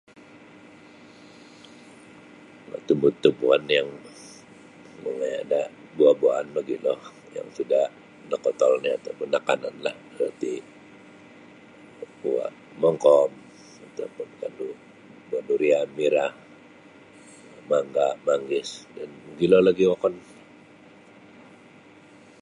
Tumbu-tumbuan yang mangaya da buah-buahan mogilo yang sudah nakotol nio ataupun akanan lah nu ti uwa mongkom atau pun kandu buah durian merah mangga manggis dan mogilo lagi wokon.